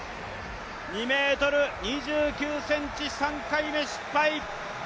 ２ｍ２９ｃｍ、３回目失敗。